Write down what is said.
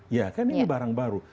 ya kan ini barang baru